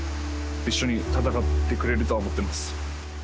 一緒に戦ってくれるとは思ってます。